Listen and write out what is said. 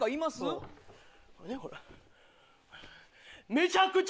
めちゃくちゃ。